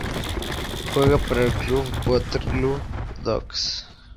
Juega para el club Waterloo Ducks.